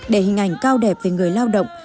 để hình ảnh cao đẹp về người lao động